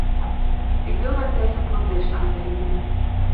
Ik wil daartegen protest aantekenen.